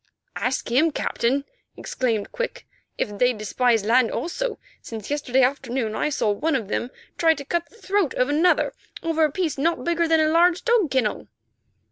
"Ask him, Captain," exclaimed Quick, "if they despise land also, since yesterday afternoon I saw one of them try to cut the throat of another over a piece not bigger than a large dog kennel."